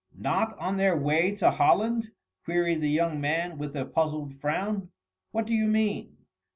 "Not on their way to Holland?" queried the young man with a puzzled frown. "What do you mean?"